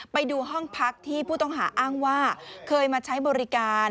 ไปดูห้องพักที่ผู้ต้องหาอ้างว่าเคยมาใช้บริการ